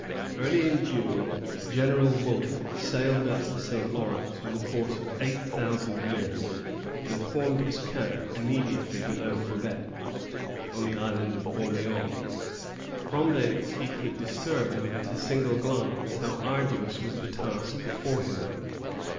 Early in June, General Wolfe sailed up the St. Lawrence with a force of eight thousand men, and formed his camp immediately below Quebec, on the Island of Orleans. From thence he could discern, at a single glance, how arduous was the task before him.